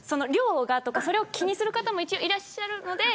それを気にする方もいらっしゃるので。